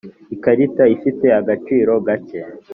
ikarita ifite agaciro gake.